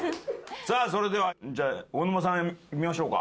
さあそれではじゃあ大沼さん見ましょうか。